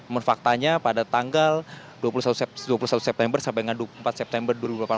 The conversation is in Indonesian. menurut faktanya pada tanggal dua puluh satu september sampai dengan dua puluh empat september dua ribu delapan belas